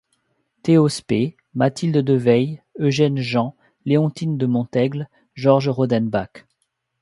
Théo Speé, Mathilde De Veilles, Eugène Gens, Léontine de Montaigle, Georges Rodenbach...